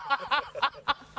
ハハハハ！